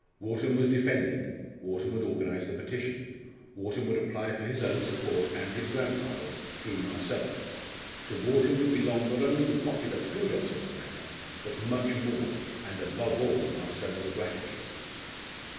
Wharton was defending, Wharton would organise the petition, Wharton would apply for his own support and his grandfather's, through Marcella. To Wharton would belong not only the popular kudos of the matter, but much more, and above all, Marcella's gratitude.